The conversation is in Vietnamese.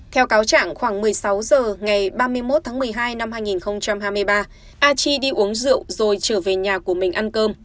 theo cáo trạng khoảng một mươi sáu h ngày ba mươi một tháng một mươi hai năm hai nghìn hai mươi ba a chi đi uống rượu rồi trở về nhà của mình ăn cơm